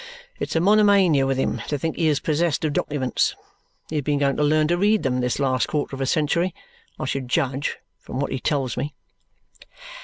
It's a monomania with him to think he is possessed of documents. He has been going to learn to read them this last quarter of a century, I should judge, from what he tells me."